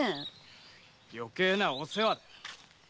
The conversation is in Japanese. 余計なお世話だ。